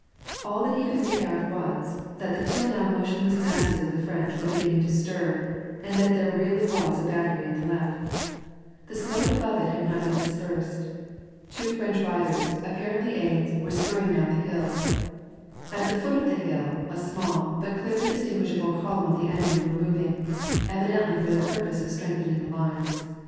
All that he could make out was, that the till now motionless masses of the French were l)eginning to stir, and that ther6 really was a battery at the left. The smoke above * A strong beer made of herbs {iravut)» 212 WAR ASD PEACE. it had not yet dispersed. Two French riders, apparently aides, were spurring down the hilL At the foot of the hill, a small, hut clearly distinguishable column of the enemy were moving, evidently for the purpose of strengthening the lines.